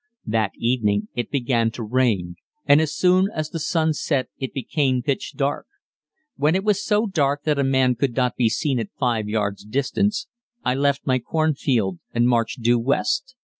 That evening it began to rain, and as soon as the sun set it became pitch dark. When it was so dark that a man could not be seen at 5 yards' distance I left my cornfield and marched due west.